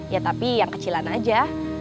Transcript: ya tapi yang kecilan aja